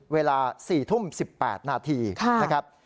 เวลา๔ทุ่ม๑๘นาทีนะครับ